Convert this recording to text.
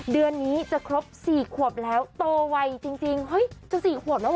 เดือนนี้จะครบ๔ขวบแล้วโตไวจริงเฮ้ยจะ๔ขวบแล้วเห